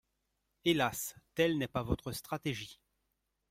Hélas, telle n’est pas votre stratégie.